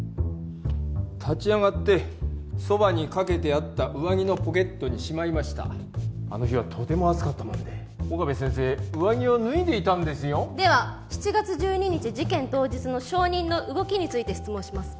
立ち上がってそばに掛けてあった上着のポケットにしまいましたあの日はとても暑かったもんで岡部先生上着を脱いでいたんですよでは７月１２日事件当日の証人の動きについて質問します